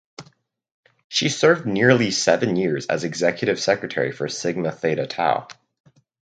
She served nearly seven years as executive secretary for Sigma Theta Tau.